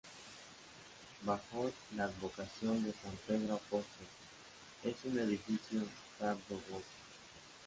Bajo la advocación de San Pedro Apóstol, es un edificio tardogótico.